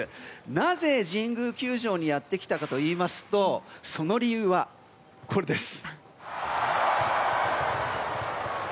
なぜ、神宮球場にやって来たかといいますとその理由は、これです。